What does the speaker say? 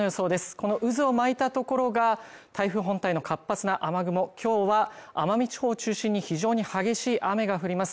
この渦を巻いたところが台風本体の活発な雨雲きょうは奄美地方を中心に非常に激しい雨が降ります